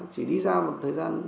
chỉ đi ra một thời gian